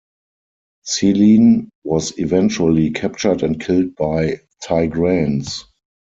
Selene was eventually captured and killed by Tigranes.